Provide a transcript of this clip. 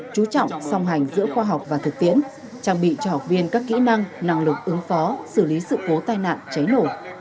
chú trọng song hành giữa khoa học và thực tiễn trang bị cho học viên các kỹ năng năng lực ứng phó xử lý sự cố tai nạn cháy nổ